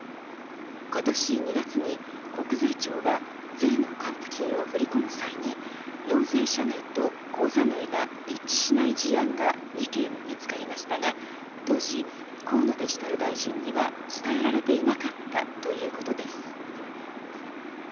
今年２月に国税庁が税の還付金を振り込む際に納税者名と口座名が一致しない事案が２件見つかりましたが当時、河野デジタル大臣には伝えられていなかったということです。